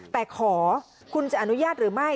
แต่ขอคุณจะอนุญาตหรือไม่